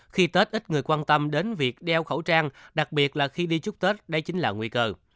khi tết ít người quan tâm đến việc đeo khẩu trang đặc biệt là khi đi chúc tết đây chính là nguy cơ